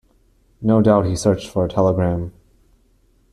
No doubt he searched for a telegram.